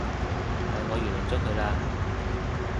但我原諒咗佢喇